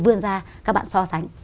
vươn ra các bạn so sánh